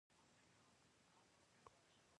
ایا مصنوعي ځیرکتیا د شخصي معلوماتو خوندیتوب نه ګواښي؟